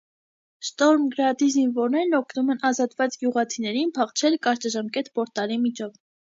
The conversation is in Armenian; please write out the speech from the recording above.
Շտորմգրադի զինվորներն օգնում են ազատված գյուղացիներին փախչել կարճաժամկետ պորտալի միջով։